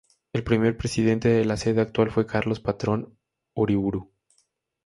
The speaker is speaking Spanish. El primer presidente de la sede actual fue Carlos Patrón Uriburu.